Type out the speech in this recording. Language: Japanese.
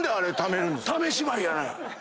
ため芝居や。